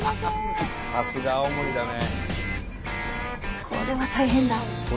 さすが青森だね。